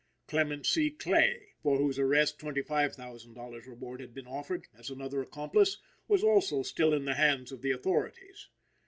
Clement C. Clay, for whose arrest $25,000 reward had been offered, as another accomplice, was also still in the hands of the authorities.